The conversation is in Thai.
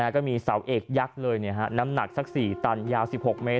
ก็มีเสาเอกยักษ์เลยน้ำหนักสัก๔ตันยาว๑๖เมตร